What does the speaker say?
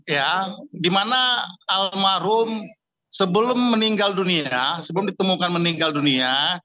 ya dimana almarhum sebelum meninggal dunia sebelum ditemukan meninggal dunia